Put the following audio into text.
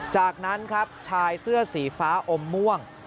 จากนั้นครับชายเสื้อสีฟ้าอมม่วง